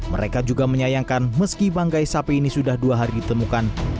mereka juga menyayangkan meski banggai sapi ini sudah dua hari ditemukan